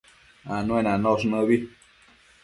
Anuenanosh nëbi